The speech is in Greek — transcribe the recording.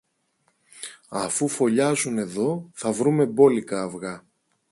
Αφού φωλιάζουν εδώ, θα βρούμε μπόλικα αυγά.